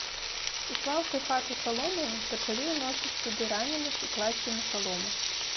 Услаўшы хату саломаю, пачалі ўносіць туды раненых і класці на салому.